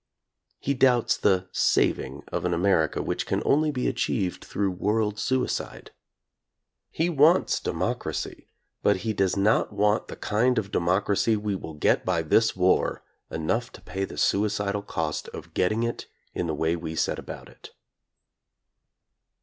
He doubts the "saving" of an America which can only be achieved through world suicide. He wants democracy, but he does not want the kind of democracy we will get by this war enough to pay the suicidal cost of getting it in the way we set about it.